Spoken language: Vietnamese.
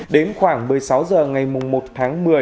đến khoảng một mươi sáu h ngày một tháng một mươi